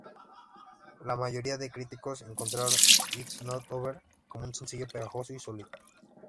La mayoría de críticos encontraron "It's Not Over" como un sencillo pegajoso y sólido.